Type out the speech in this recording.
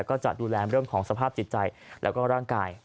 ก็จะดูแลเรื่องของสภาพจิตใจแล้วก็ร่างกาย